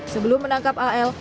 sebelum menangkap al